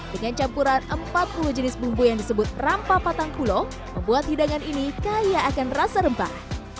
dengan campuran empat puluh jenis bumbu yang disebut rampah patang kulong membuat hidangan ini kaya akan rasa rempah